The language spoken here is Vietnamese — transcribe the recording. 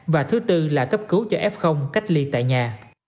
và thứ tư là cấp cứu cho f cách ly tại nhà